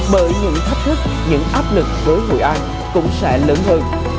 bởi những thách thức những áp lực với hội an cũng sẽ lớn hơn